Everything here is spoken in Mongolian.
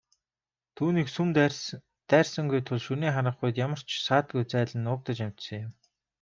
Түүнийг сум дайрсангүй тул шөнийн харанхуйд ямар ч саадгүй зайлан нуугдаж амжсан юм.